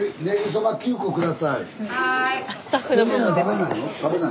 ・はい。